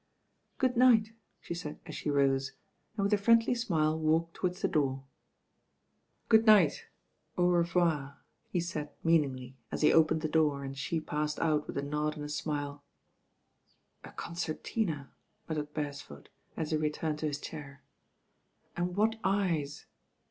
"Good night," she said as she rose, and with a friendly smile walked towards the door. "Good night, au revoir" he said meanin^y, at <*THE TWO DRAGONS*' » he opened the door and the patted out with a nod and a tmile. "A concertina I" muttered Beretford, at he re turned to hit chair, "and what eyet."